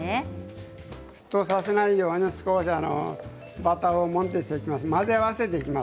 沸騰させないように少しバターをモンテしていきます。